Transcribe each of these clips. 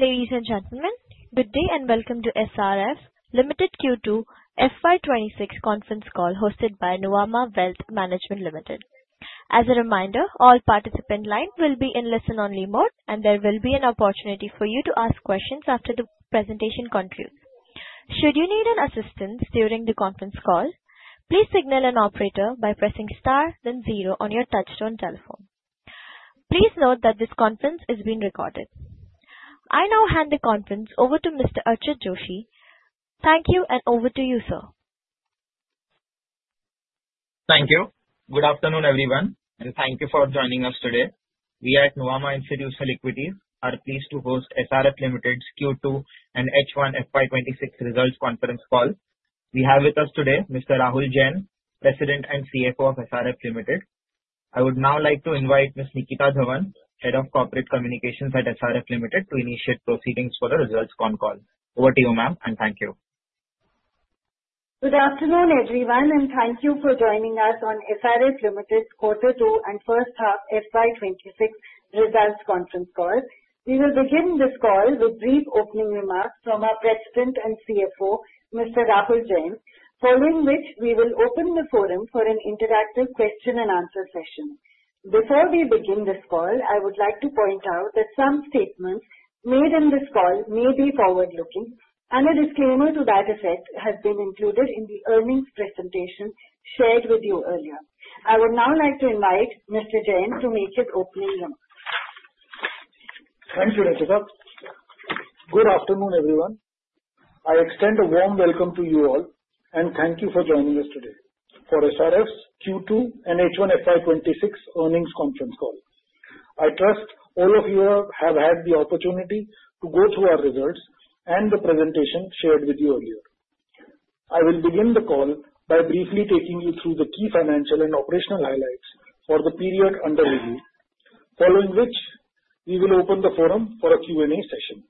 Ladies and gentlemen, good day and welcome to SRF Limited's Q2 FY 2026 conference call hosted by Nuvama Wealth Management. As a reminder, all participant lines will be in listen-only mode, and there will be an opportunity for you to ask questions after the presentation concludes. Should you need assistance during the conference call, please signal an operator by pressing star, then zero on your touch-tone telephone. Please note that this conference is being recorded. I now hand the conference over to Mr. Archit Joshi. Thank you, and over to you, sir. Thank you. Good afternoon, everyone, and thank you for joining us today. We at Nuvama Institutional Equities are pleased to host SRF Limited's Q2 and H1 FY 2026 results conference call. We have with us today Mr. Rahul Jain, President and CFO of SRF Limited. I would now like to invite Ms. Nitika Dhawan, Head of Corporate Communications at SRF Limited, to initiate proceedings for the results con call. Over to you, ma'am, and thank you. Good afternoon, everyone, and thank you for joining us on SRF Limited's Quarter 2 and First Half FY 2026 results conference call. We will begin this call with brief opening remarks from our President and CFO, Mr. Rahul Jain, following which we will open the forum for an interactive question-and-answer session. Before we begin this call, I would like to point out that some statements made in this call may be forward-looking, and a disclaimer to that effect has been included in the earnings presentation shared with you earlier. I would now like to invite Mr. Jain to make his opening remarks. Thank you, Nitika. Good afternoon, everyone. I extend a warm welcome to you all, and thank you for joining us today for SRF's Q2 and H1 FY 2026 earnings conference call. I trust all of you have had the opportunity to go through our results and the presentation shared with you earlier. I will begin the call by briefly taking you through the key financial and operational highlights for the period under review, following which we will open the forum for a Q&A session.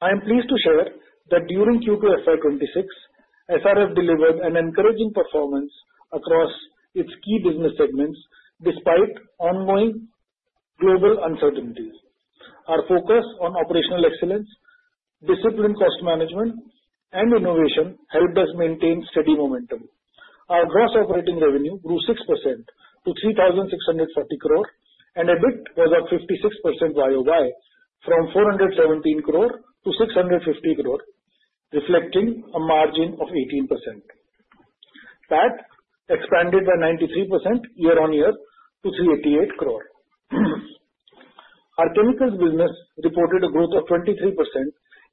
I am pleased to share that during Q2 FY 2026, SRF delivered an encouraging performance across its key business segments despite ongoing global uncertainties. Our focus on operational excellence, disciplined cost management, and innovation helped us maintain steady momentum. Our gross operating revenue grew 6% to 3,640 crore, and EBIT was up 56% YOY from 417 crore to 650 crore, reflecting a margin of 18%. That expanded by 93% year-on-year to 388 crore. Our chemicals business reported a growth of 23%,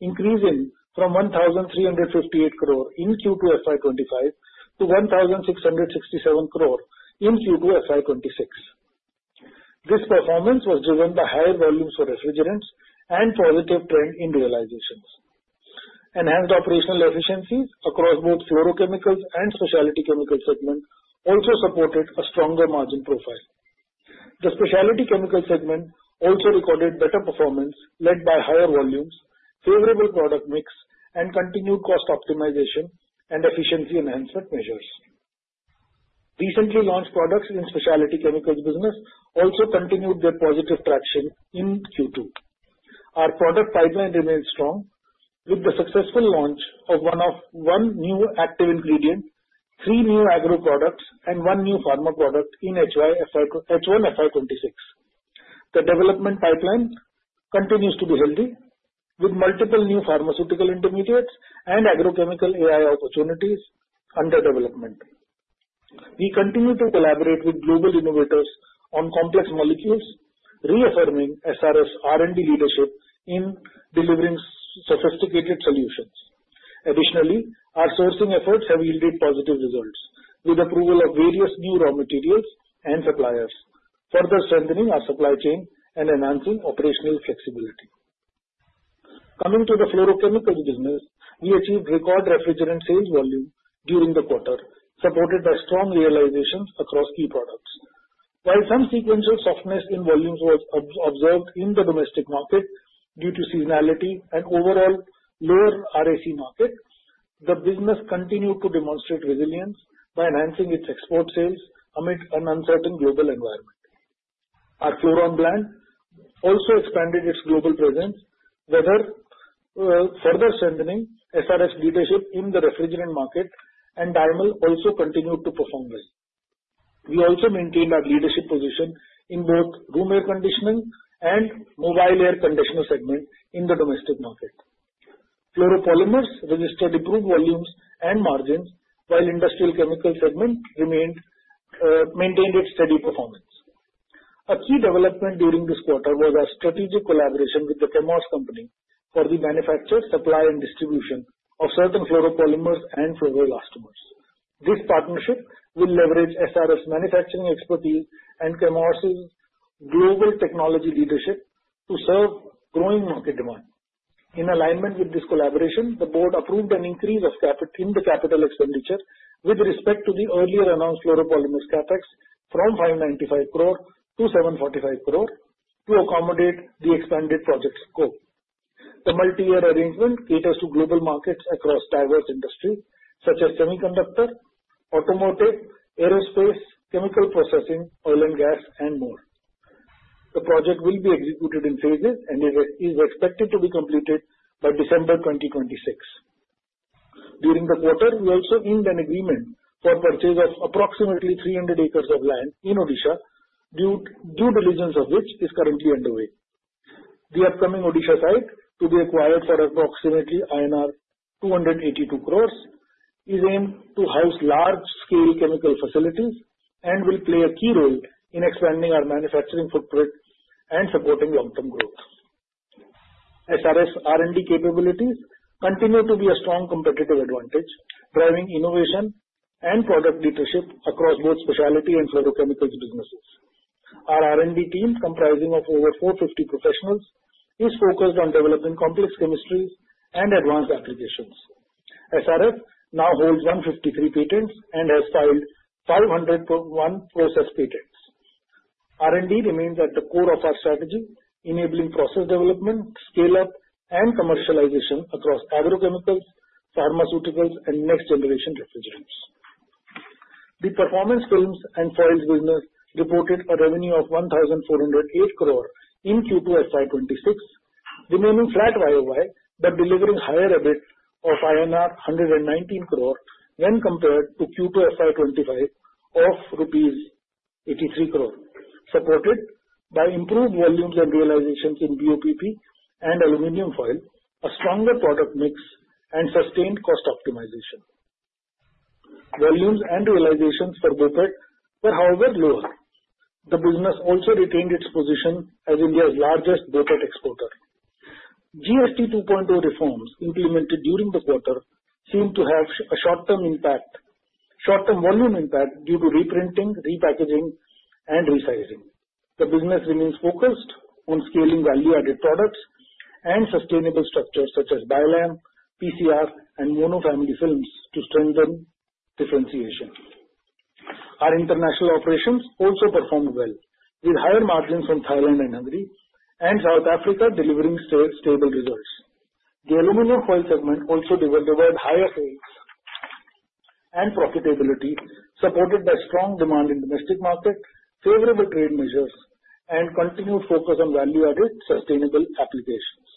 increasing from 1,358 crore in Q2 FY25 to 1,667 crore in Q2 FY 2026. This performance was driven by higher volumes for refrigerants and a positive trend in realizations. Enhanced operational efficiencies across both fluorochemicals and specialty chemicals segments also supported a stronger margin profile. The specialty chemicals segment also recorded better performance led by higher volumes, favorable product mix, and continued cost optimization and efficiency enhancement measures. Recently launched products in the specialty chemicals business also continued their positive traction in Q2. Our product pipeline remained strong with the successful launch of one new active ingredient, three new agro products, and one new pharma product in H1 FY 2026. The development pipeline continues to be healthy, with multiple new pharmaceutical intermediates and agrochemical AI opportunities under development. We continue to collaborate with global innovators on complex molecules, reaffirming SRF's R&D leadership in delivering sophisticated solutions. Additionally, our sourcing efforts have yielded positive results with approval of various new raw materials and suppliers, further strengthening our supply chain and enhancing operational flexibility. Coming to the fluorochemicals business, we achieved record refrigerant sales volume during the quarter, supported by strong realizations across key products. While some sequential softness in volumes was observed in the domestic market due to seasonality and overall lower RAC market, the business continued to demonstrate resilience by enhancing its export sales amid an uncertain global environment. Our Floron blend also expanded its global presence, further strengthening SRF's leadership in the refrigerant market, and Dymel also continued to perform well. We also maintained our leadership position in both room air conditioning and mobile air conditioner segment in the domestic market. Fluoropolymers registered improved volumes and margins, while the industrial chemicals segment maintained its steady performance. A key development during this quarter was our strategic collaboration with the Chemours Company for the manufacture, supply, and distribution of certain fluoropolymers and fluoroelastomers. This partnership will leverage SRF's manufacturing expertise and Chemours's global technology leadership to serve growing market demand. In alignment with this collaboration, the board approved an increase in the capital expenditure with respect to the earlier announced fluoropolymers CapEx from 595 crore to 745 crore to accommodate the expanded project scope. The multi-year arrangement caters to global markets across diverse industries such as semiconductor, automotive, aerospace, chemical processing, oil and gas, and more. The project will be executed in phases and is expected to be completed by December 2026. During the quarter, we also inked an agreement for purchase of approximately 300 acres of land in Odisha, due diligence of which is currently underway. The upcoming Odisha site to be acquired for approximately INR 282 crores is aimed to house large-scale chemical facilities and will play a key role in expanding our manufacturing footprint and supporting long-term growth. SRF's R&D capabilities continue to be a strong competitive advantage, driving innovation and product leadership across both specialty and fluorochemicals businesses. Our R&D team, comprising of over 450 professionals, is focused on developing complex chemistries and advanced applications. SRF now holds 153 patents and has filed 501 process patents. R&D remains at the core of our strategy, enabling process development, scale-up, and commercialization across agrochemicals, pharmaceuticals, and next-generation refrigerants. The performance films and foils business reported a revenue of 1,408 crore in Q2 FY 2026, remaining flat YOY but delivering higher EBIT of INR 119 crore when compared to Q2 FY25 of rupees 83 crore. Supported by improved volumes and realizations in BOPP and aluminum foil, a stronger product mix, and sustained cost optimization. Volumes and realizations for BOPET were, however, lower. The business also retained its position as India's largest BOPET exporter. GST 2.0 reforms implemented during the quarter seem to have a short-term volume impact due to reprinting, repackaging, and resizing. The business remains focused on scaling value-added products and sustainable structures such as Biolam, PCR, and mono-family films to strengthen differentiation. Our international operations also performed well, with higher margins from Thailand and Hungary, and South Africa delivering stable results. The aluminum foil segment also delivered higher sales and profitability, supported by strong demand in the domestic market, favorable trade measures, and continued focus on value-added sustainable applications.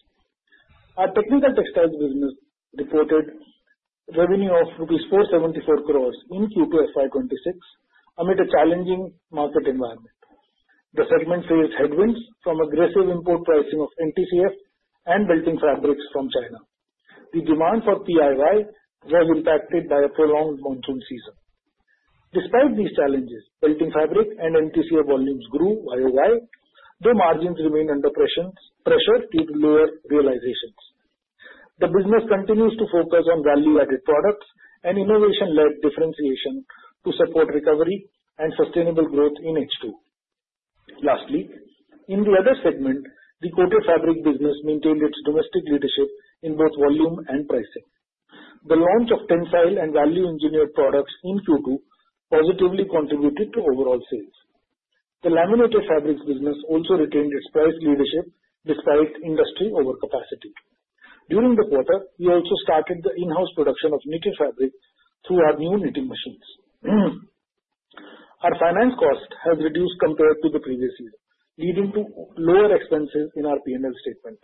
Our technical textiles business reported revenue of Rs 474 crores in Q2 FY 2026 amid a challenging market environment. The segment faced headwinds from aggressive import pricing of NTCF and belting fabrics from China. The demand for PIY was impacted by a prolonged monsoon season. Despite these challenges, belting fabric and NTCF volumes grew YOY, though margins remained under pressure due to lower realizations. The business continues to focus on value-added products and innovation-led differentiation to support recovery and sustainable growth in H2. Lastly, in the other segment, the coated fabric business maintained its domestic leadership in both volume and pricing. The launch of tensile and value-engineered products in Q2 positively contributed to overall sales. The laminated fabrics business also retained its price leadership despite industry overcapacity. During the quarter, we also started the in-house production of knitted fabrics through our new knitting machines. Our finance cost has reduced compared to the previous year, leading to lower expenses in our P&L statement.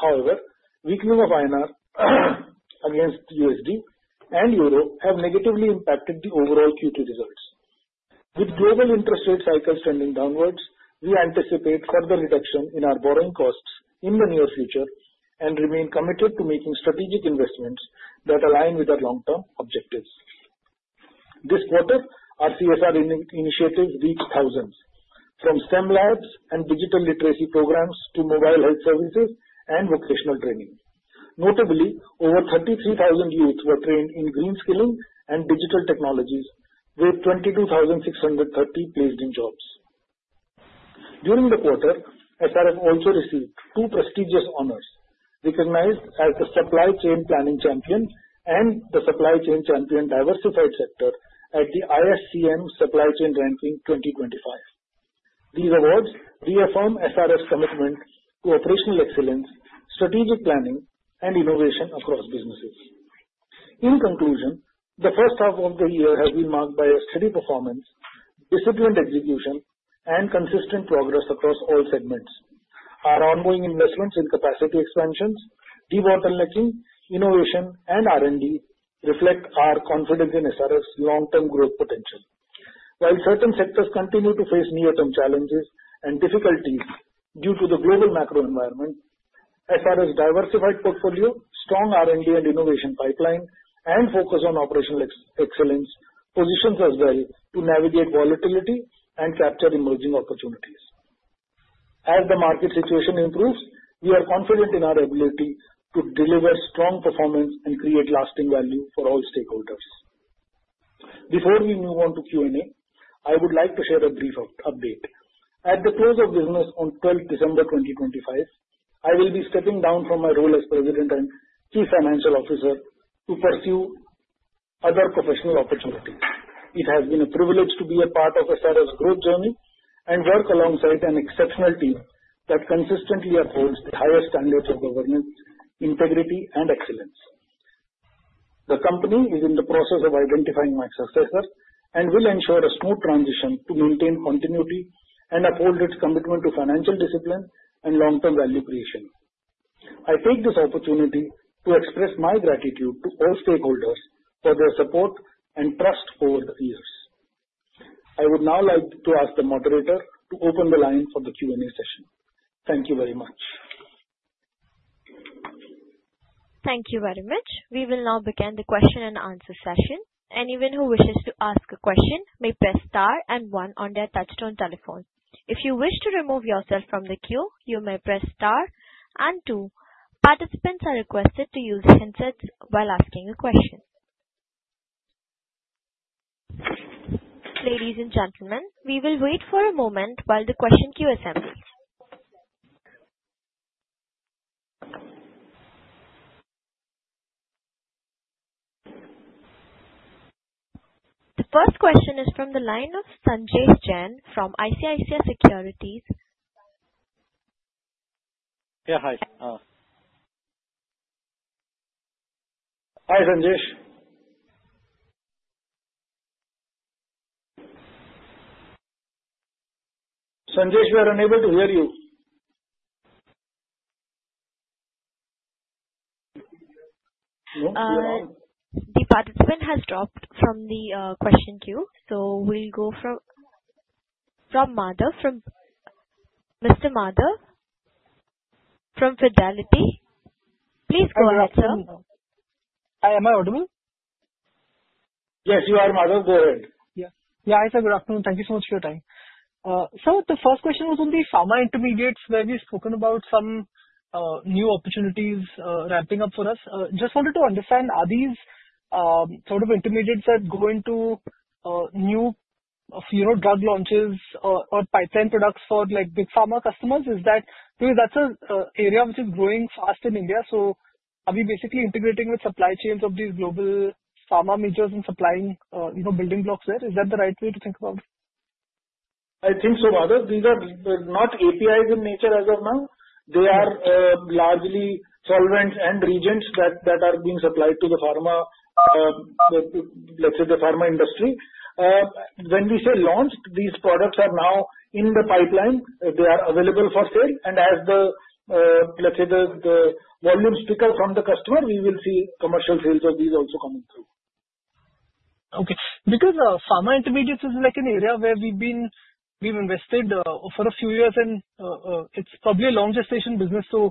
However, weakening of INR against USD and Euro have negatively impacted the overall Q2 results. With global interest rate cycles trending downwards, we anticipate further reduction in our borrowing costs in the near future and remain committed to making strategic investments that align with our long-term objectives. This quarter, our CSR initiatives reached thousands, from STEM labs and digital literacy programs to mobile health services and vocational training. Notably, over 33,000 youths were trained in green skilling and digital technologies, with 22,630 placed in jobs. During the quarter, SRF also received two prestigious honors, recognized as the Supply Chain Planning Champion and the Supply Chain Champion Diversified Sector at the ISCM Supply Chain Ranking 2025. These awards reaffirm SRF's commitment to operational excellence, strategic planning, and innovation across businesses. In conclusion, the first half of the year has been marked by a steady performance, disciplined execution, and consistent progress across all segments. Our ongoing investments in capacity expansions, de-bottlenecking, innovation, and R&D reflect our confidence in SRF's long-term growth potential. While certain sectors continue to face near-term challenges and difficulties due to the global macro environment, SRF's diversified portfolio, strong R&D and innovation pipeline, and focus on operational excellence position us well to navigate volatility and capture emerging opportunities. As the market situation improves, we are confident in our ability to deliver strong performance and create lasting value for all stakeholders. Before we move on to Q&A, I would like to share a brief update. At the close of business on December 12, 2025, I will be stepping down from my role as President and Chief Financial Officer to pursue other professional opportunities. It has been a privilege to be a part of SRF's growth journey and work alongside an exceptional team that consistently upholds the highest standards of governance, integrity, and excellence. The company is in the process of identifying my successor and will ensure a smooth transition to maintain continuity and uphold its commitment to financial discipline and long-term value creation. I take this opportunity to express my gratitude to all stakeholders for their support and trust over the years. I would now like to ask the moderator to open the line for the Q&A session. Thank you very much. Thank you very much. We will now begin the question and answer session. Anyone who wishes to ask a question may press star and one on their touch-tone telephone. If you wish to remove yourself from the queue, you may press star and two. Participants are requested to use headsets while asking a question. Ladies and gentlemen, we will wait for a moment while the question queue assembles. The first question is from the line of Sanjesh Jain from ICICI Securities. Yeah, hi. Hi, Sanjesh. Sanjesh, we are unable to hear you. The participant has dropped from the question queue. So we'll go from Madhav, from Mr. Madhav, from Fidelity. Please go ahead, sir. Am I audible? Yes, you are, Madhav. Go ahead. Yeah, hi, sir. Good afternoon. Thank you so much for your time. So the first question was on the pharma intermediates where we've spoken about some new opportunities ramping up for us. Just wanted to understand, are these sort of intermediates that go into new drug launches or pipeline products for big pharma customers? Is that? Dude, that's an area which is growing fast in India. So are we basically integrating with supply chains of these global pharma majors and supplying building blocks there? Is that the right way to think about it? I think so, Madhav. These are not APIs in nature as of now. They are largely solvents and reagents that are being supplied to the pharma, let's say, the pharma industry. When we say launched, these products are now in the pipeline. They are available for sale. And as the, let's say, the volumes pick up from the customer, we will see commercial sales of these also coming through. Okay. Because pharma intermediates is like an area where we've invested for a few years, and it's probably a long-gestation business. So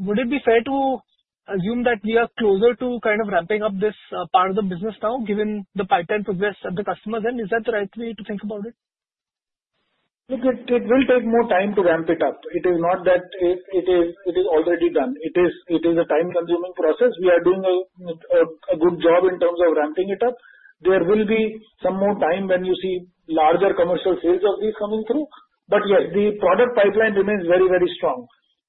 would it be fair to assume that we are closer to kind of ramping up this part of the business now, given the pipeline progress at the customer's end? Is that the right way to think about it? It will take more time to ramp it up. It is not that it is already done. It is a time-consuming process. We are doing a good job in terms of ramping it up. There will be some more time when you see larger commercial sales of these coming through. But yes, the product pipeline remains very, very strong.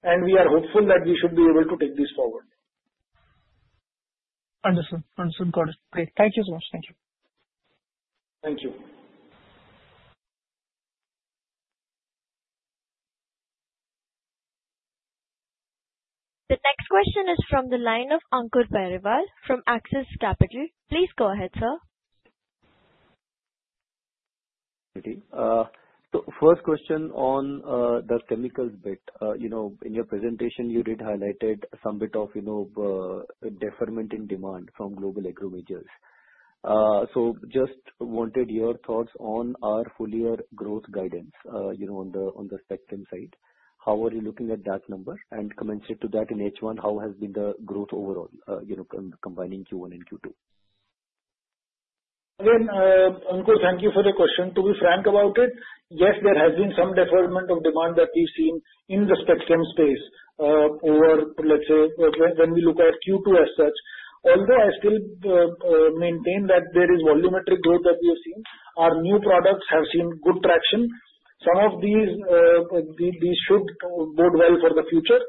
And we are hopeful that we should be able to take this forward. Understood. Understood. Got it. Great. Thank you so much. Thank you. Thank you. The next question is from the line of Ankur Periwal from Axis Capital. Please go ahead, sir. So first question on the chemicals bit. In your presentation, you did highlight some bit of deferment in demand from global agro majors. So just wanted your thoughts on our full-year growth guidance on the specialty side. How are you looking at that number? And commensurate to that in H1, how has been the growth overall, combining Q1 and Q2? Again, Ankur, thank you for the question. To be frank about it, yes, there has been some deferment of demand that we've seen in the specialty space over, let's say, when we look at Q2 as such. Although I still maintain that there is volumetric growth that we have seen, our new products have seen good traction. Some of these should bode well for the future.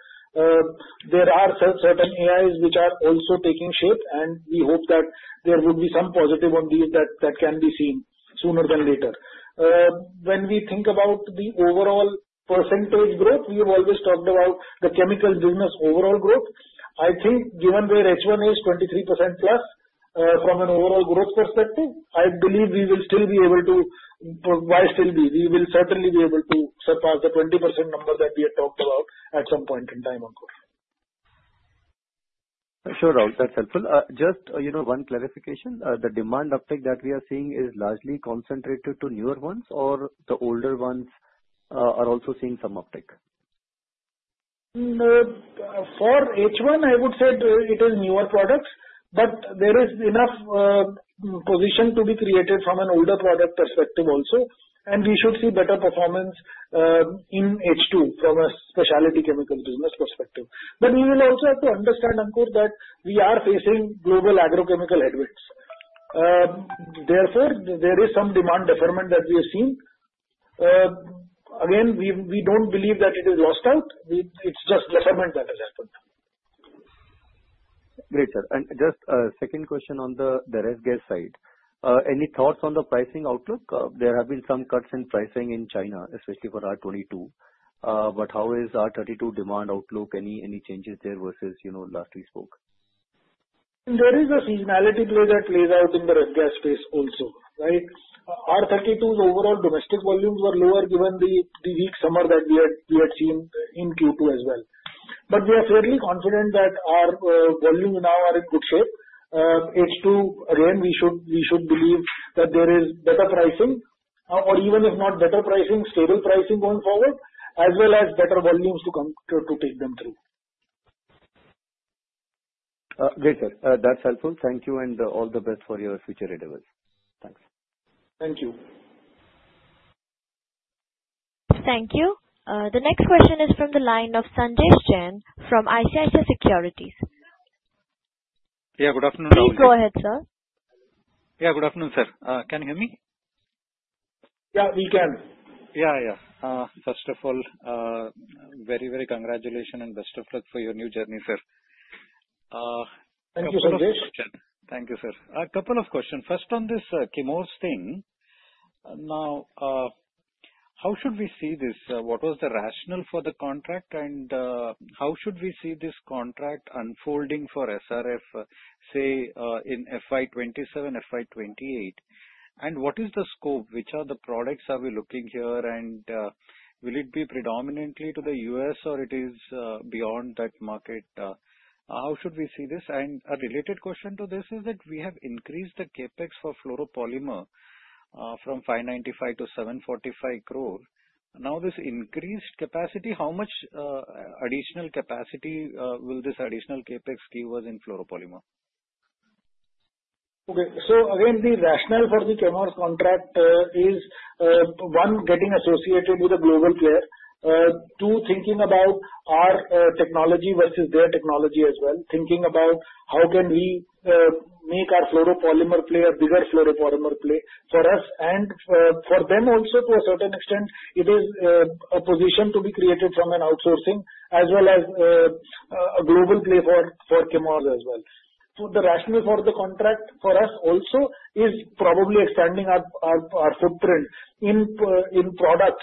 There are certain AIs which are also taking shape, and we hope that there would be some positive on these that can be seen sooner than later. When we think about the overall percentage growth, we have always talked about the chemical business overall growth. I think given where H1 is, 23%+ from an overall growth perspective, I believe we will still be able to. Why still be? We will certainly be able to surpass the 20% number that we had talked about at some point in time, Ankur. Sure, Rahul. That's helpful. Just one clarification. The demand uptick that we are seeing is largely concentrated to newer ones, or the older ones are also seeing some uptick? For H1, I would say it is newer products, but there is enough position to be created from an older product perspective also. And we should see better performance in H2 from a specialty chemical business perspective. But we will also have to understand, Ankur, that we are facing global agrochemical headwinds. Therefore, there is some demand deferment that we have seen. Again, we don't believe that it is lost out. It's just deferment that has happened. Great, sir. And just a second question on the ref gas side. Any thoughts on the pricing outlook? There have been some cuts in pricing in China, especially for R-22. But how is R-32 demand outlook? Any changes there versus last we spoke? There is a seasonality play that plays out in the ref gas space also, right? R-32's overall domestic volumes were lower given the weak summer that we had seen in Q2 as well. But we are fairly confident that our volumes now are in good shape. H2, again, we should believe that there is better pricing, or even if not better pricing, stable pricing going forward, as well as better volumes to take them through. Great, sir. That's helpful. Thank you, and all the best for your future endeavors. Thanks. Thank you. Thank you. The next question is from the line of Sanjesh Jain from ICICI Securities. Please go ahead, sir. Yeah, good afternoon, sir. Can you hear me? Yeah, we can. Yeah, yeah. First of all, very, very congratulations and best of luck for your new journey, sir. Thank you for the question. Thank you, sir. A couple of questions. First, on this Chemours thing, now, how should we see this? What was the rationale for the contract, and how should we see this contract unfolding for SRF, say, in FY 2027, FY 2028? And what is the scope? Which are the products are we looking here, and will it be predominantly to the U.S., or is it beyond that market? How should we see this? And a related question to this is that we have increased the CapEx for fluoropolymer from 595 crore to 745 crore. Now, this increased capacity, how much additional capacity will this additional CapEx give us in fluoropolymer? Okay. So again, the rationale for the Chemours contract is, one, getting associated with a global player, two, thinking about our technology versus their technology as well, thinking about how can we make our fluoropolymer play a bigger fluoropolymer play for us and for them also to a certain extent. It is a position to be created from an outsourcing as well as a global play for Chemours as well. So the rationale for the contract for us also is probably expanding our footprint in products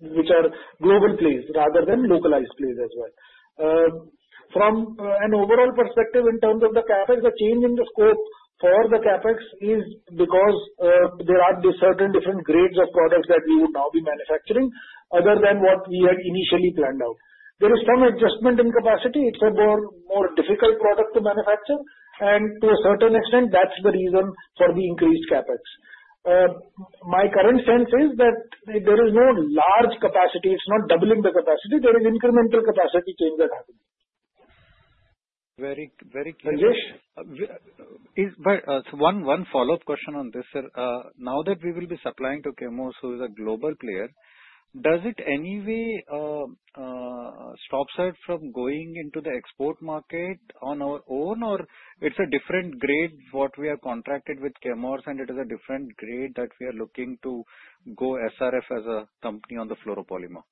which are global plays rather than localized plays as well. From an overall perspective, in terms of the Capex, the change in the scope for the Capex is because there are certain different grades of products that we would now be manufacturing other than what we had initially planned out. There is some adjustment in capacity. It's a more difficult product to manufacture, and to a certain extent, that's the reason for the increased Capex. My current sense is that there is no large capacity. It's not doubling the capacity. There is incremental capacity change that happens. Very clear. Sanjesh? One follow-up question on this, sir. Now that we will be supplying to Chemours who is a global player, does it in any way stop us from going into the export market on our own, or it's a different grade what we have contracted with Chemours, and it is a different grade that we are looking to go SRF as a company on the fluoropolymer?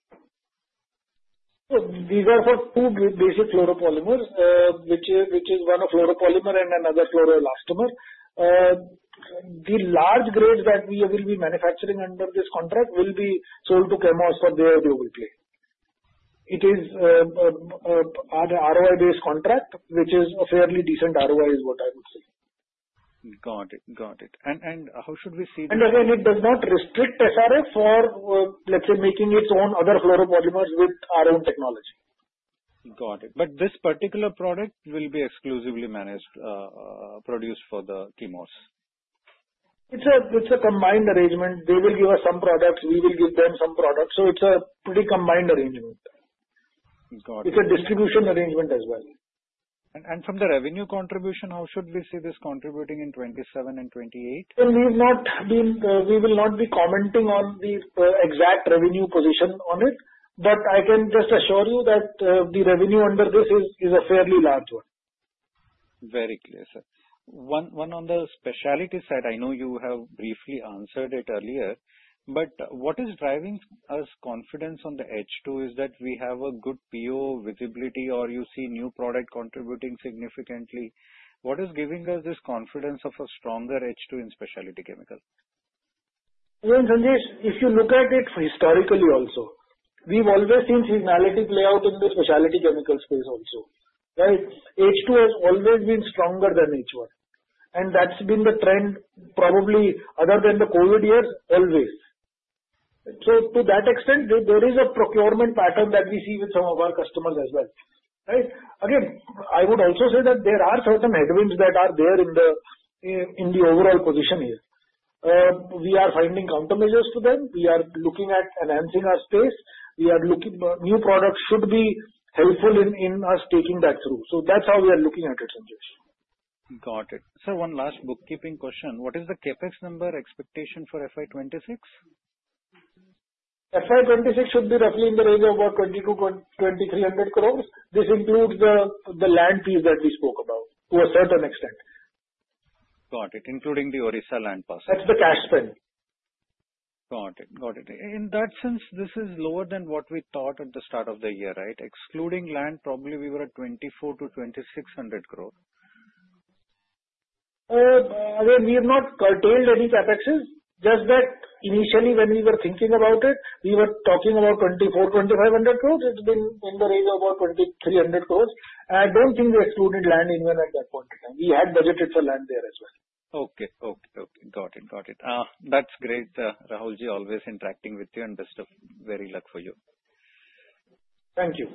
So these are for two basic fluoropolymer, which is one of fluoropolymer and another fluoroelastomer. The large grades that we will be manufacturing under this contract will be sold to Chemours for their global play. It is an ROI-based contract, which is a fairly decent ROI is what I would say. Got it. Got it. And how should we see this? And again, it does not restrict SRF for, let's say, making its own other fluoropolymer with our own technology. Got it. But this particular product will be exclusively managed, produced for the Chemours? It's a combined arrangement. They will give us some products. We will give them some products. So it's a pretty combined arrangement. It's a distribution arrangement as well. And from the revenue contribution, how should we see this contributing in 2027 and 2028? We will not be commenting on the exact revenue position on it, but I can just assure you that the revenue under this is a fairly large one. Very clear, sir. One on the specialty side, I know you have briefly answered it earlier, but what is driving us confidence on the H2 is that we have a good PO visibility, or you see new product contributing significantly. What is giving us this confidence of a stronger H2 in specialty chemicals? Again, Sanjay, if you look at it historically also, we've always seen seasonality play out in the specialty chemical space also, right? H2 has always been stronger than H1, and that's been the trend probably other than the COVID years, always, so to that extent, there is a procurement pattern that we see with some of our customers as well, right? Again, I would also say that there are certain headwinds that are there in the overall position here. We are finding countermeasures to them. We are looking at enhancing our space. New products should be helpful in us taking that through, so that's how we are looking at it, Sanjay. Got it. Sir, one last bookkeeping question. What is the CapEx number expectation for FY 2026? FY 2026 should be roughly in the range of about INR 2,200 crore-INR 2,300 crore. This includes the land fees that we spoke about to a certain extent. Got it. Including the Odisha land parcel. That's the cash spend. Got it. Got it. In that sense, this is lower than what we thought at the start of the year, right? Excluding land, probably we were at 2,400 crore-2,600 crore. Again, we have not curtailed any capexes. Just that initially when we were thinking about it, we were talking about 2,400 crore-2,500 crore. It's been in the range of about 2,300 crores. I don't think we excluded land even at that point in time. We had budgeted for land there as well. Okay. Okay. Okay. Got it. Got it. That's great, Rahul Jain, always interacting with you, and best of very luck for you. Thank you.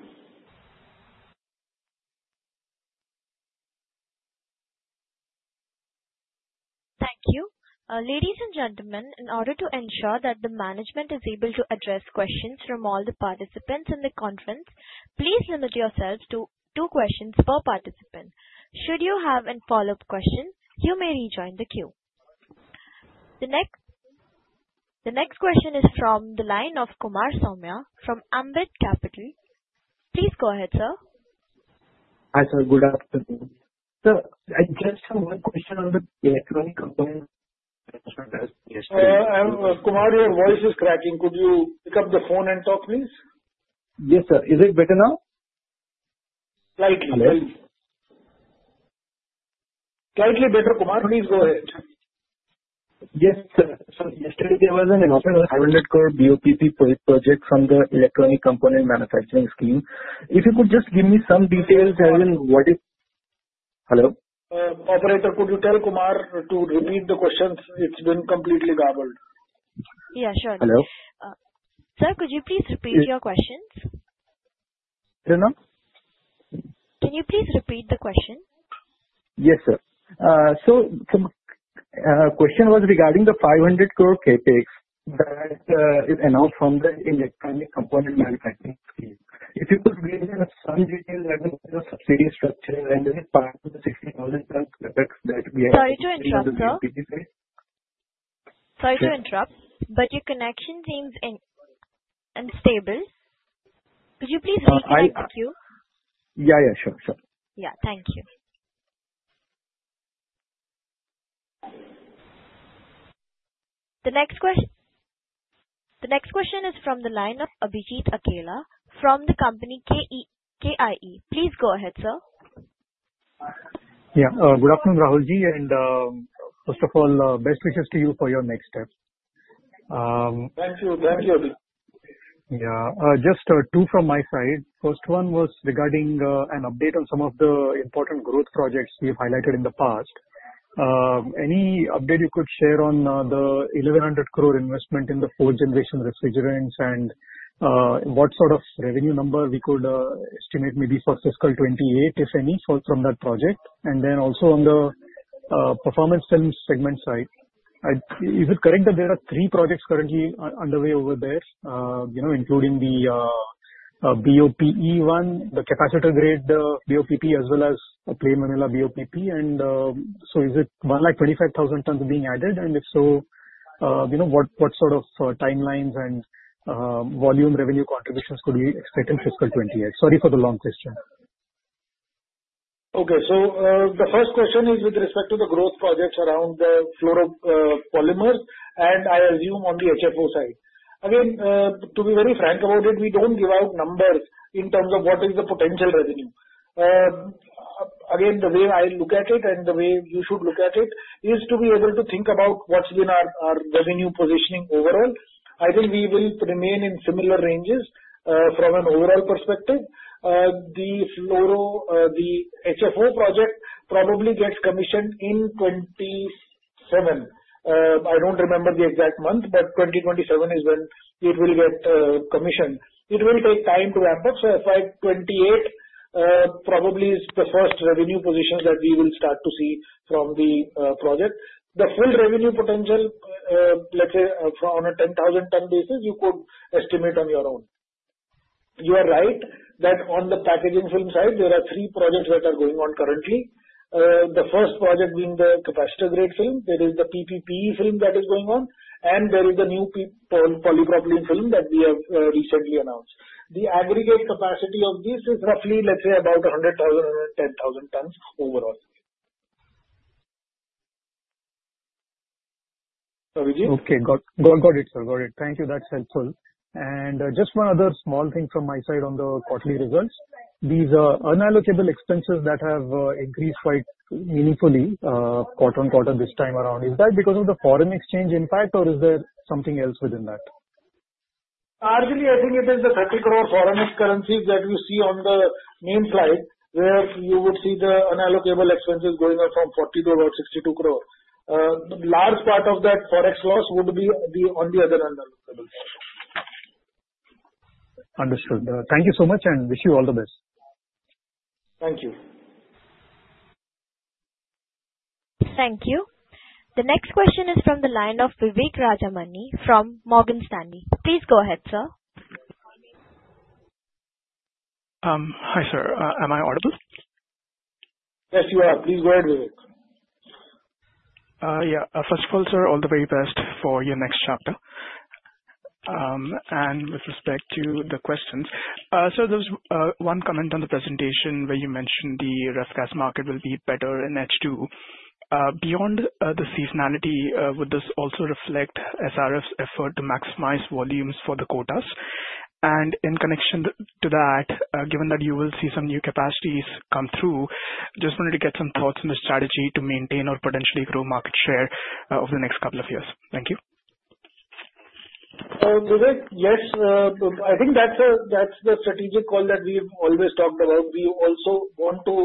Thank you. Ladies and gentlemen, in order to ensure that the management is able to address questions from all the participants in the conference, please limit yourselves to two questions per participant. Should you have a follow-up question, you may rejoin the queue. The next question is from the line of Kumar Saumya from Ambit Capital. Please go ahead, sir. Hi, sir. Good afternoon. Sir, I just have one question on the Electronic Components Manufacturing as of yesterday. Kumar, your voice is cracking. Could you pick up the phone and talk, please? Yes, sir. Is it better now? Slightly. Slightly better. Kumar, please go ahead. Yes, sir. So yesterday, there was an in-principle INR 500 crore BOPP project from the electronic component manufacturing scheme. If you could just give me some details as in what it. Hello? Operator, could you tell Kumar to repeat the questions? It's been completely garbled. Yeah, sure. Hello? Sir, could you please repeat your questions? Hello? Can you please repeat the question? Yes, sir. So the question was regarding the INR 500 crore CapEx that is announced from the electronic component manufacturing scheme. If you could give me some details as in the subsidy structure and the INR 500-INR 60,000 crore CapEx that we have in the electronic component manufacturing scheme. Sorry to interrupt. But your connection seems unstable. Could you please repeat the question? Yeah. Sure. Thank you. The next question is from the line of Abhijeet Akela from the company KIE. Please go ahead, sir. Yeah. Good afternoon, Rahul Jain. And first of all, best wishes to you for your next steps. Thank you. Thank you. Yeah. Just two from my side. First one was regarding an update on some of the important growth projects we've highlighted in the past. Any update you could share on the 1,100 crore investment in the fourth-generation refrigerants and what sort of revenue number we could estimate maybe for fiscal 28, if any, from that project? And then also on the performance segment side, is it correct that there are three projects currently underway over there, including the BOPP one, the capacitor-grade BOPP, as well as a plain monolayer BOPP? And so is it 125,000 tons being added? And if so, what sort of timelines and volume revenue contributions could we expect in fiscal 2028? Sorry for the long question. Okay. So the first question is with respect to the growth projects around the fluoropolymer and I assume on the HFO side. Again, to be very frank about it, we don't give out numbers in terms of what is the potential revenue. Again, the way I look at it and the way you should look at it is to be able to think about what's been our revenue positioning overall. I think we will remain in similar ranges from an overall perspective. The HFO project probably gets commissioned in 2027. I don't remember the exact month, but 2027 is when it will get commissioned. It will take time to ramp up. So FY 2028 probably is the first revenue position that we will start to see from the project. The full revenue potential, let's say on a 10,000-ton basis, you could estimate on your own. You are right that on the packaging film side, there are three projects that are going on currently. The first project being the capacitor-grade film. There is the BOPP film that is going on, and there is the new polypropylene film that we have recently announced. The aggregate capacity of this is roughly, let's say, about 100,000-110,000 tons overall. Abhijeet? Okay. Got it, sir. Got it. Thank you. That's helpful. And just one other small thing from my side on the quarterly results. These are unallocable expenses that have increased quite meaningfully quarter on quarter this time around. Is that because of the foreign exchange, in fact, or is there something else within that? Largely, I think it is the 30 crore foreign currencies that we see on the main slide, where you would see the unallocable expenses going up from 40 crore to about 62 crore. A large part of that forex loss would be on the other unallocable side. Understood. Thank you so much and wish you all the best. Thank you. Thank you. The next question is from the line of Vivek Rajamani from Morgan Stanley. Please go ahead, sir. Hi, sir. Am I audible? Yes, you are. Please go ahead, Vivek. Yeah. First of all, sir, all the very best for your next chapter and with respect to the questions. Sir, there was one comment on the presentation where you mentioned the R-32 gas market will be better in H2. Beyond the seasonality, would this also reflect SRF's effort to maximize volumes for the quotas? And in connection to that, given that you will see some new capacities come through, just wanted to get some thoughts on the strategy to maintain or potentially grow market share over the next couple of years. Thank you. Vivek, yes. I think that's the strategic call that we have always talked about. We also want to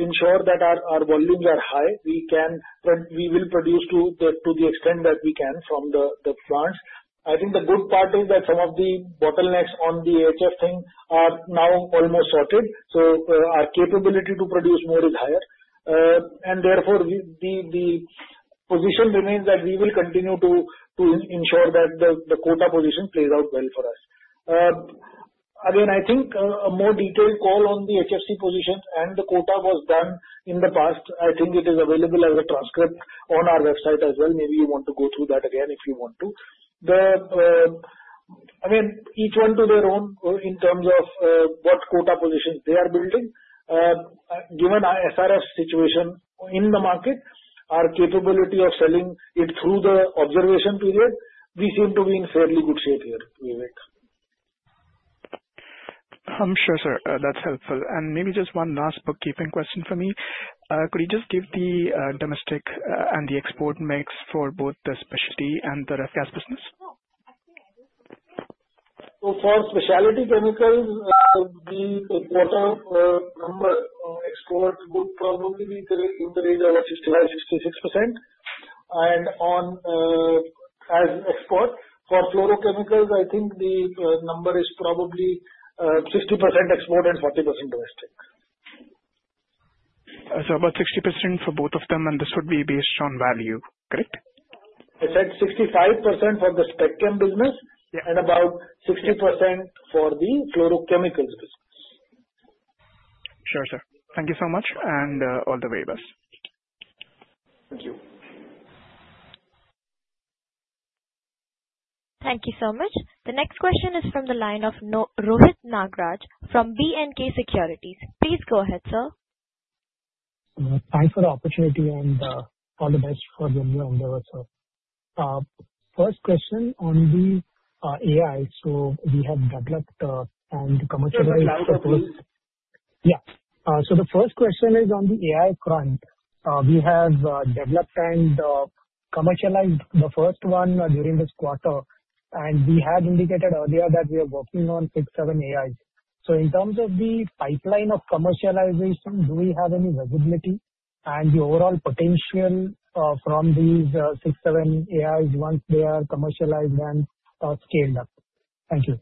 ensure that our volumes are high. We will produce to the extent that we can from the plants. I think the good part is that some of the bottlenecks on the HFC thing are now almost sorted so our capability to produce more is higher and therefore the position remains that we will continue to ensure that the quota position plays out well for us. Again, I think a more detailed call on the HFC position and the quota was done in the past. I think it is available as a transcript on our website as well. Maybe you want to go through that again if you want to. Again, each one to their own in terms of what quota positions they are building. Given our SRF situation in the market, our capability of selling it through the observation period, we seem to be in fairly good shape here, Vivek. I'm sure, sir. That's helpful and maybe just one last bookkeeping question for me. Could you just give the domestic and the export mix for both the specialty and the ref gas business? So for specialty chemicals, the quantum of export would probably be in the range of about 65%-66%. And as export, for fluorochemicals, I think the number is probably 60% export and 40% domestic. So about 60% for both of them, and this would be based on value, correct? I said 65% for the specchem business and about 60% for the fluorochemicals business. Sure, sir. Thank you so much. And all the very best. Thank you. Thank you so much. The next question is from the line of Rohit Nagraj from B&K Securities. Please go ahead, sir. Thanks for the opportunity and all the best for the new endeavor, sir. First question on the AI. So we have developed and commercialized the first. Yeah. So the first question is on the AI front. We have developed and commercialized the first one during this quarter. And we had indicated earlier that we are working on six, seven AIs. So in terms of the pipeline of commercialization, do we have any visibility and the overall potential from these six, seven AIs once they are commercialized and scaled up? Thank you.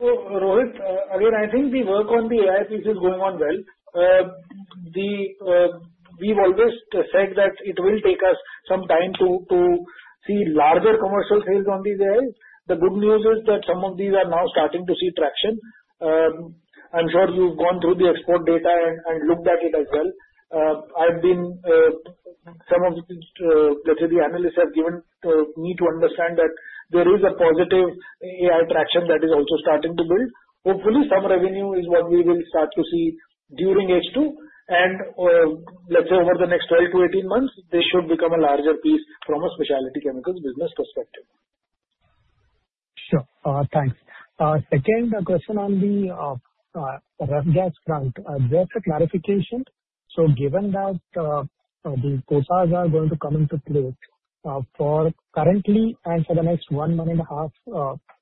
So Rohit, again, I think the work on the AI piece is going on well. We've always said that it will take us some time to see larger commercial sales on these AIs. The good news is that some of these are now starting to see traction. I'm sure you've gone through the export data and looked at it as well. Some of the analysts have given me to understand that there is a positive AI traction that is also starting to build. Hopefully, some revenue is what we will start to see during H2, and let's say over the next 12 to 18 months, they should become a larger piece from a specialty chemicals business perspective. Sure. Thanks. Second question on the R-22 gas front, just a clarification. So given that the quotas are going to come into place for currently and for the next one month and a half,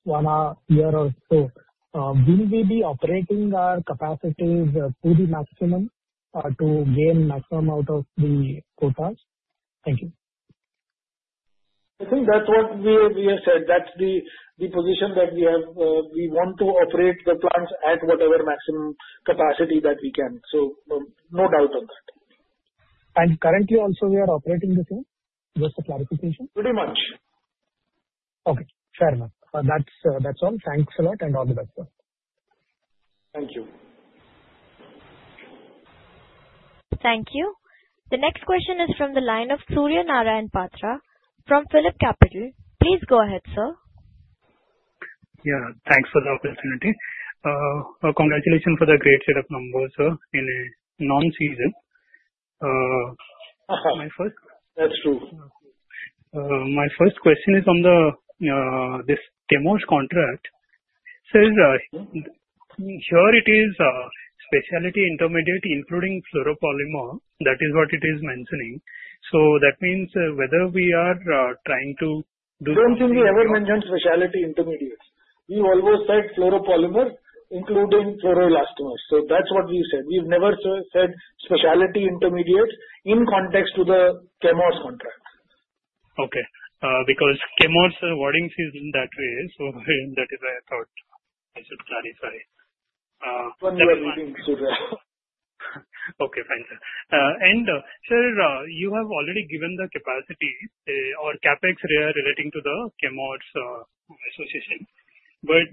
one year or so, will we be operating our capacities to the maximum to gain maximum out of the quotas? Thank you. I think that's what we have said. That's the position that we want to operate the plants at whatever maximum capacity that we can. So no doubt on that, and currently also, we are operating the same? Just a clarification. Pretty much. Okay. Fair enough. That's all. Thanks a lot and all the best, sir. Thank you. Thank you. The next question is from the line of Surya Narayan Patra from PhillipCapital. Please go ahead, sir. Yeah. Thanks for the opportunity. Congratulations for the great set of numbers, sir, in a non-season. That's true. My first question is on this Chemours contract. Sir, here it is specialty intermediate, including fluoropolymer. That is what it is mentioning. So that means whether we are trying to do. Don't think we ever mentioned specialty intermediates. We always said fluoropolymer, including fluoroelastomers. So that's what we said. We've never said specialty intermediate in context to the Chemours contract. Okay. Because Chemours wording is in that way. So that is why I thought I should clarify. One never really includes that. Okay. Thanks, sir. And sir, you have already given the capacity or CapEx relating to the TEMOS association. But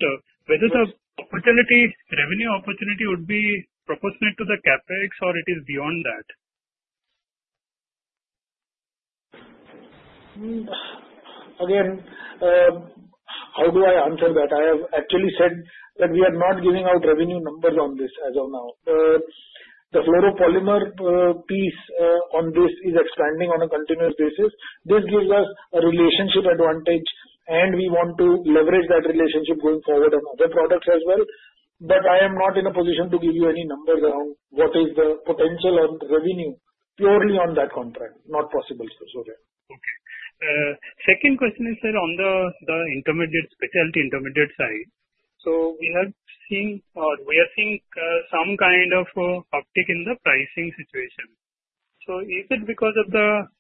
whether the revenue opportunity would be proportionate to the CapEx or it is beyond that? Again, how do I answer that? I have actually said that we are not giving out revenue numbers on this as of now. The fluoropolymer piece on this is expanding on a continuous basis. This gives us a relationship advantage, and we want to leverage that relationship going forward on other products as well. But I am not in a position to give you any numbers around what is the potential on revenue purely on that contract. Not possible, sir. Okay. Second question is, sir, on the intermediate specialty intermediate side. So we are seeing some kind of uptick in the pricing situation. So is it because of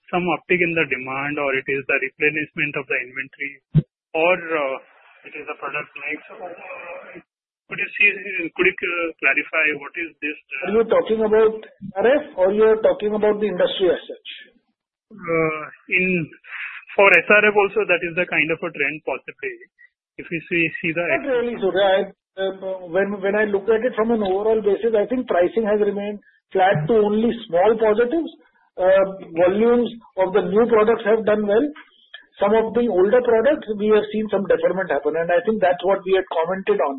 some uptick in the demand, or it is the replenishment of the inventory, or it is a product mix? Could you clarify what is this? Are you talking about SRF, or you're talking about the industry as such? For SRF also, that is the kind of a trend possibly. Not really, sir. When I look at it from an overall basis, I think pricing has remained flat to only small positives. Volumes of the new products have done well. Some of the older products, we have seen some deferment happen, and I think that's what we had commented on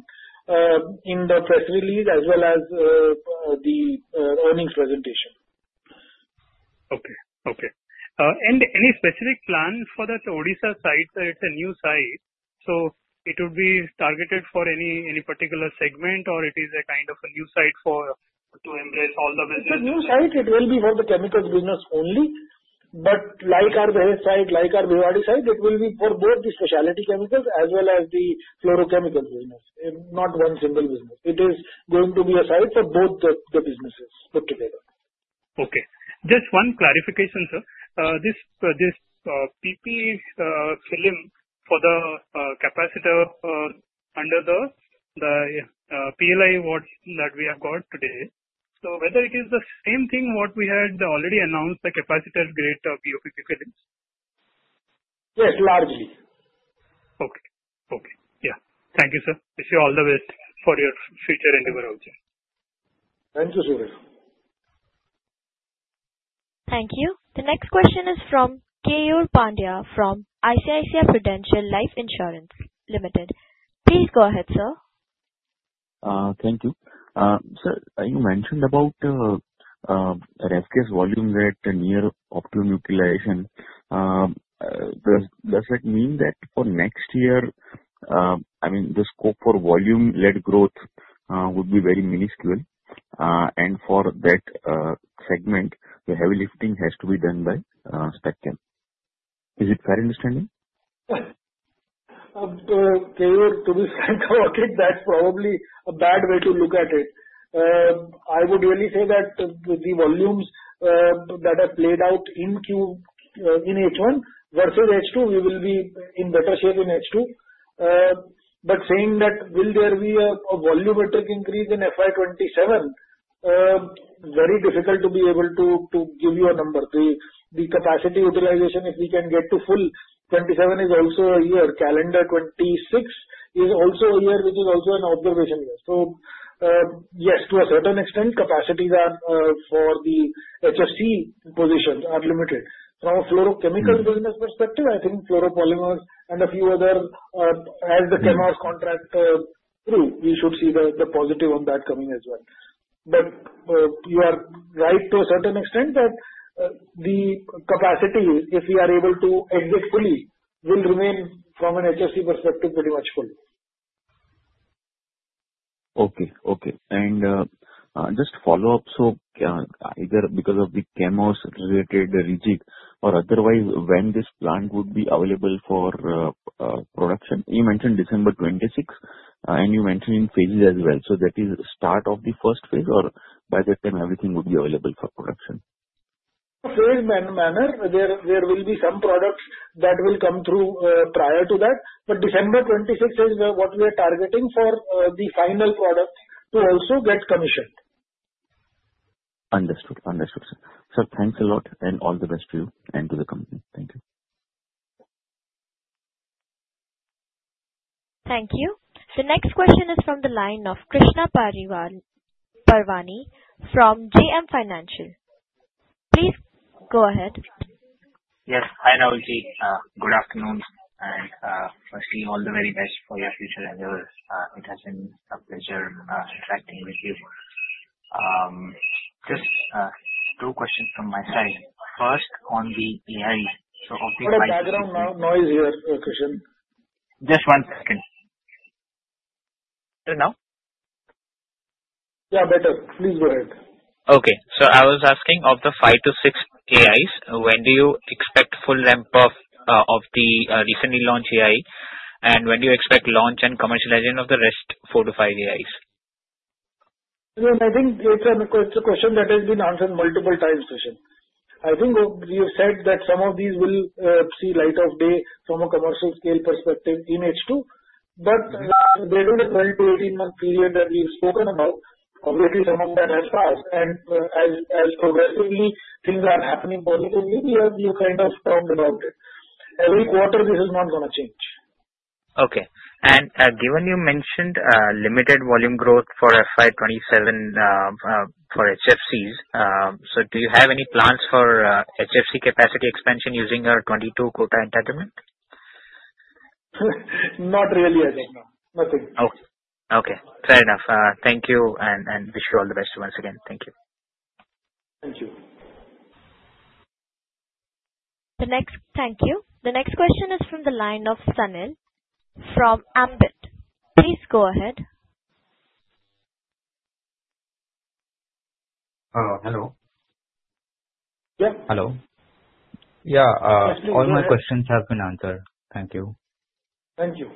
in the press release as well as the earnings presentation. Okay. Okay, and any specific plan for the Odisha site? It's a new site. So it would be targeted for any particular segment, or it is a kind of a new site to embrace all the business? It's a new site. It will be for the chemicals business only. But like our Dahej site, like our Bhiwadi site, it will be for both the specialty chemicals as well as the fluorochemicals business. Not one single business. It is going to be a site for both the businesses put together. Okay. Just one clarification, sir. This PP film for the capacitor under the PLI that we have got today. So whether it is the same thing what we had already announced, the capacitor-grade BOPP films? Yes, largely. Okay. Okay. Yeah. Thank you, sir. Wish you all the best for your future endeavor out there. Thank you, Surya. Thank you. The next question is from Keyur Pandya from ICICI Prudential Life Insurance. Please go ahead, sir. Thank you. Sir, you mentioned about an HFCs volume that near optimum utilization. Does that mean that for next year, I mean, the scope for volume-led growth would be very minuscule? And for that segment, the heavy lifting has to be done by spec chem. Is it fair understanding? To be frank about it, that's probably a bad way to look at it. I would really say that the volumes that have played out in H1 versus H2, we will be in better shape in H2. But saying that, will there be a volume-taking increase in FY 2027? Very difficult to be able to give you a number. The capacity utilization, if we can get to full 2027, is also a year. Calendar 26 is also a year, which is also an observation year. So yes, to a certain extent, capacities for the HFC positions are limited. From a fluorochemical business perspective, I think fluoropolymers and a few other, as the Chemours contract through, we should see the positive on that coming as well. But you are right to a certain extent that the capacity, if we are able to exit fully, will remain from an HFC perspective pretty much full. Okay. Okay. And just follow-up. So either because of the Chemours-related project or otherwise, when this plant would be available for production? You mentioned December 26, and you mentioned in phases as well. So that is the start of the first phase, or by that time, everything would be available for production? Phase manner, there will be some products that will come through prior to that. But December 26 is what we are targeting for the final product to also get commissioned. Understood. Understood, sir. Sir, thanks a lot, and all the best to you and to the company. Thank you. Thank you. The next question is from the line of Krishan Parwani from JM Financial. Please go ahead. Yes. Hi, Rahul. Good afternoon. Firstly, all the very best for your future endeavors. It has been a pleasure interacting with you. Just two questions from my side. First, on the AI. So, of the five to six AIs, when do you expect full ramp-up of the recently launched AI? And when do you expect launch and commercialization of the rest four to five AIs? I think it is a question that has been answered multiple times, Krishan. I think we have said that some of these will see light of day from a commercial scale perspective in H2. But there is a 12-18-month period that we have spoken about. Obviously, some of that has passed. And as progressively things are happening positively, we have kind of talked about it. Every quarter, this is not going to change. Okay. And given you mentioned limited volume growth for FY 2027 for HFCs, so do you have any plans for HFC capacity expansion using your 22-quota entitlement? Not really, I think. Nothing. Okay. Okay. Fair enough. Thank you. And wish you all the best once again. Thank you. Thank you. The next question is from the line of Sunil from Ambit. Please go ahead. Hello. Yes. Hello. Yeah. All my questions have been answered. Thank you. Thank you.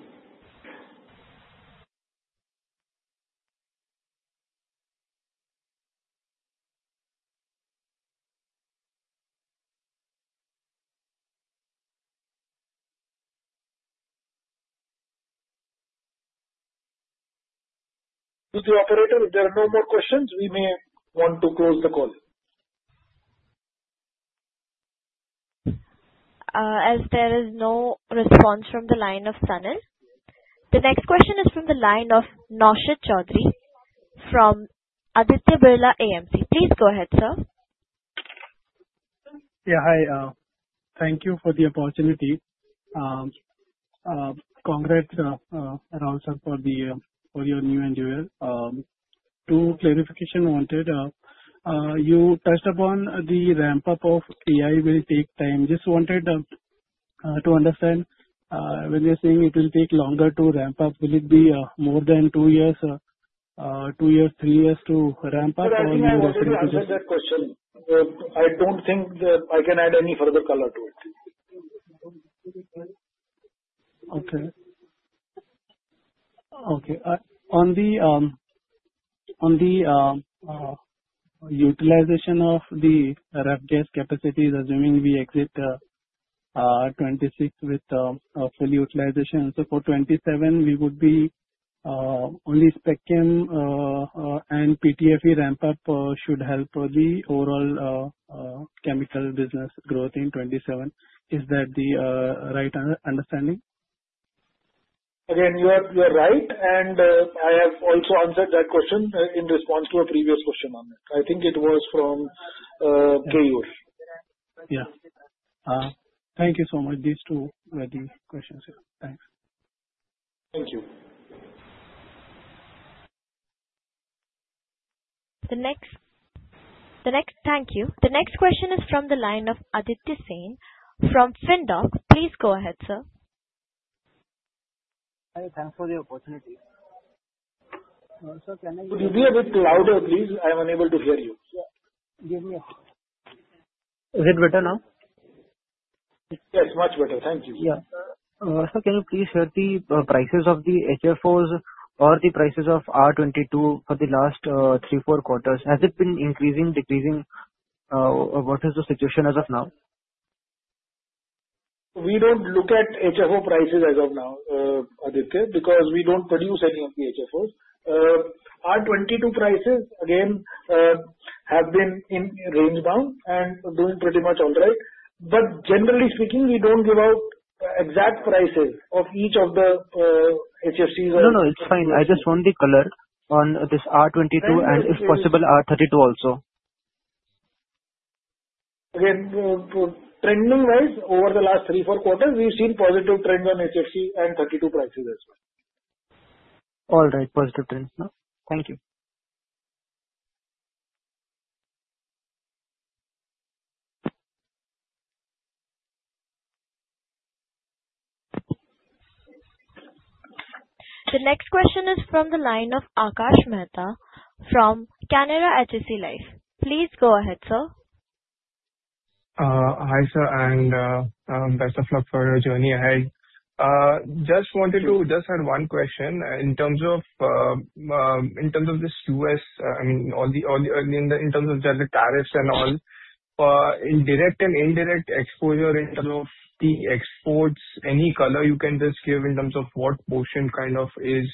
To the operator, if there are no more questions, we may want to close the call. As there is no response from the line of Sunil, the next question is from the line of Naushad Chaudhary from Aditya Birla AMC. Please go ahead, sir. Yeah. Hi. Thank you for the opportunity. Congrats and all, sir, for your new endeavor. Two clarifications wanted. You touched upon the ramp-up of AI will take time. Just wanted to understand when you're saying it will take longer to ramp up, will it be more than two years, two years, three years to ramp up, or you are saying? That's a question. I don't think I can add any further color to it. Okay. Okay. On the utilization of the R-gas capacities, assuming we exit 2026 with full utilization, so for 2027, we would be only specchem and PTFE ramp-up should help the overall chemical business growth in 2027. Is that the right understanding? Again, you are right, and I have also answered that question in response to a previous question on that. I think it was from KL. Yeah. Thank you so much. These two were the questions. Thanks. Thank you. The next. Thank you. The next question is from the line of Aditya Sen from Findoc. Please go ahead, sir. Thanks for the opportunity. Sir, can I? Could you be a bit louder, please? I'm unable to hear you. Give me a... Is it better now? Yes, much better. Thank you. Y Yeah. Sir, can you please share the prices of the HFOs or the prices of R-22 for the last three, four quarters? Has it been increasing, decreasing? What is the situation as of now? We don't look at HFO prices as of now, Aditya, because we don't produce any of the HFOs. R-22 prices, again, have been in range bound and doing pretty much all right. But generally speaking, we don't give out exact prices of each of the HFCs. No, no. It's fine. I just want the color on this R-22 and, if possible, R-32 also. Again, trending-wise, over the last three, four quarters, we've seen positive trend on HFC and 32 prices as well. All right. Positive trend. Thank you. The next question is from the line of Akash Mehta from Canara HSBC Life. Please go ahead, sir. Hi, sir. And best of luck for your journey ahead. Just had one question. In terms of this U.S., I mean, in terms of the tariffs and all, in direct and indirect exposure, in terms of the exports, any color you can just give in terms of what portion kind of is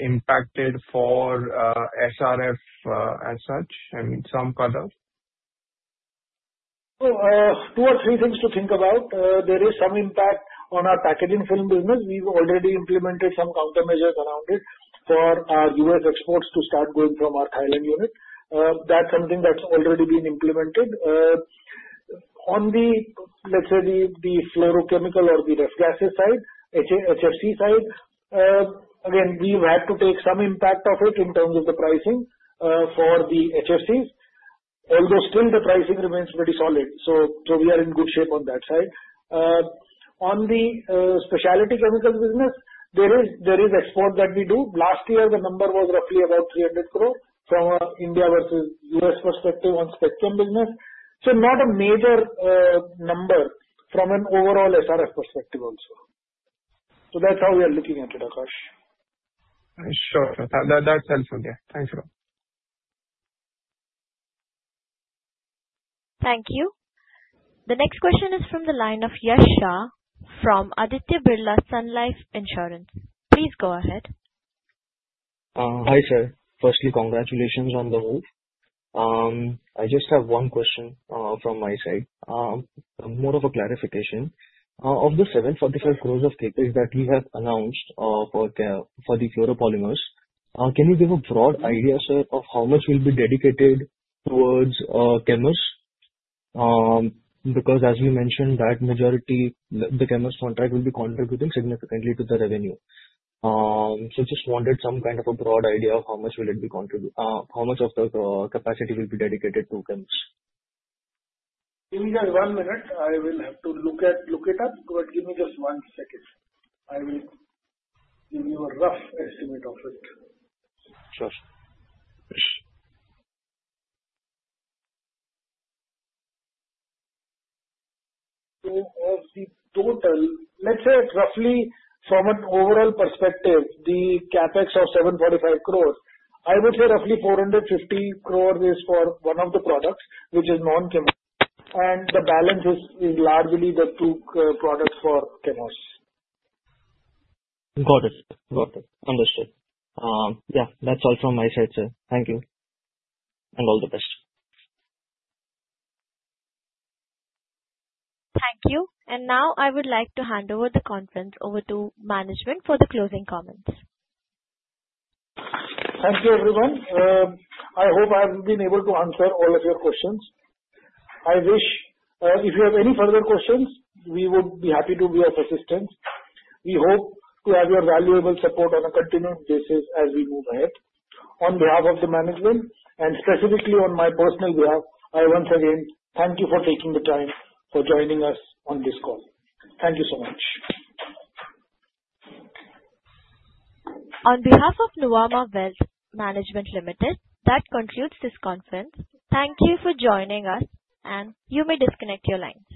impacted for SRF as such? I mean, some color. Two or three things to think about. There is some impact on our packaging film business. We've already implemented some countermeasures around it for our U.S. exports to start going from our Thailand unit. That's something that's already been implemented. Let's say the fluorochemical or the ref gas side, HFC side, again, we've had to take some impact of it in terms of the pricing for the HFCs. Although still, the pricing remains pretty solid. So we are in good shape on that side. On the specialty chemicals business, there is export that we do. Last year, the number was roughly about 300 crore from India versus U.S. perspective on specchem business. So not a major number from an overall SRF perspective also. So that's how we are looking at it, Akash. Sure. That's helpful. Yeah. Thanks a lot. Thank you. The next question is from the line of Yash Shah from Aditya Birla Sun Life Insurance. Please go ahead. Hi, sir. Firstly, congratulations on the move. I just have one question from my side. More of a clarification. Of the 745 crores of CapEx that we have announced for the fluoropolymers, can you give a broad idea, sir, of how much will be dedicated towards Chemours? Because, as you mentioned, that majority, the Chemours contract will be contributing significantly to the revenue. So just wanted some kind of a broad idea of how much will it be contributed, how much of the capacity will be dedicated to Chemours. Give me just one minute. I will have to look it up. But give me just one second. I will give you a rough estimate of it. Sure. So of the total, let's say roughly from an overall perspective, the CapEx of 745 crores, I would say roughly 450 crores is for one of the products, which is non-Chemours. And the balance is largely the two products for Chemours. Got it. Understood. Yeah. That's all from my side, sir. Thank you. And all the best. Thank you. And now I would like to hand over the conference to management for the closing comments. Thank you, everyone. I hope I have been able to answer all of your questions. If you have any further questions, we would be happy to be of assistance. We hope to have your valuable support on a continued basis as we move ahead. On behalf of the management, and specifically on my personal behalf, I once again thank you for taking the time for joining us on this call. Thank you so much. On behalf of Nuvama Wealth Management Limited, that concludes this conference. Thank you for joining us, and you may disconnect your line.